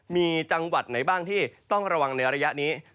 มีจังหวัดไหนบ้างที่ต้องระวังในระยะนี้